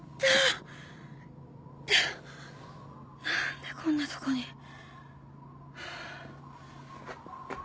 何でこんなとこに。